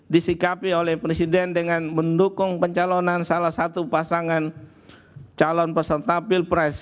disikapi oleh presiden dengan mendukung pencalonan salah satu pasangan calon peserta pilpres